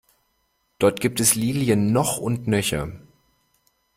Dort gibt es Lilien noch und nöcher.